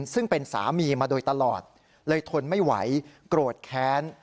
ซึ่งเป็นสามีมาโดยตลอดเลยทนไม่ไหวโกรธแค้น